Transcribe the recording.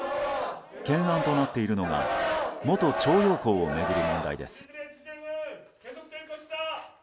懸案となっているのが元徴用工を巡る問題です。